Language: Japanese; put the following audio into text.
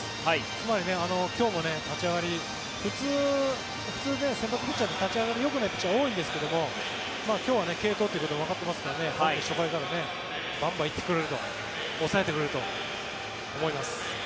つまり今日も立ち上がり普通、先発ピッチャーって立ち上がりよくないピッチャー多いんですけども今日は継投ということがわかっていますから初回からバンバン行ってくれると抑えてくれると思います。